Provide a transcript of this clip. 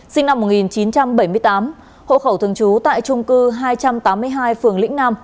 sinh năm một nghìn chín trăm bảy mươi tám hộ khẩu thường trú tại trung cư hai trăm tám mươi hai phường lĩnh nam